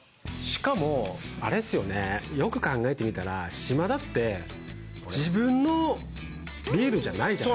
しかもあれっすよね、よく考えてみたら、島田って、自分のビールじゃないから。